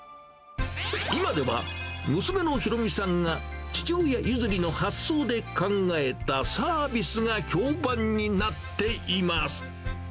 今では娘のひろみさんが、父親譲りの発想で考えたサービスが評判になっています。